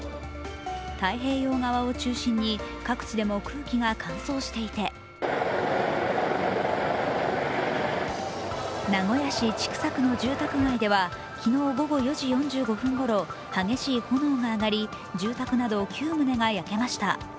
太平洋側を中心に各地でも空気が乾燥していて名古屋市千種区の住宅街では昨日午後４時４５分ごろ激しい炎が上がり、住宅など９棟が焼けました。